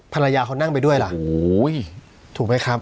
ภรรยาเขานั่งไปด้วยล่ะโอ้โหถูกไหมครับ